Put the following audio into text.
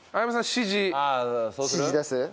指示出す？